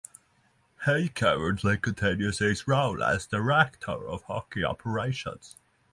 He currently continues his role as Director of Hockey Operation.